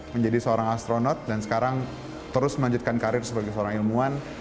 menjadi seorang astronot dan sekarang terus melanjutkan karir sebagai seorang ilmuwan